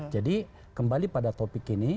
jadi kembali pada topik ini